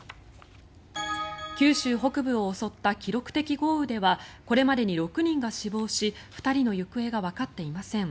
九州北部を襲った記録的豪雨ではこれまでに６人が死亡し２人の行方がわかっていません。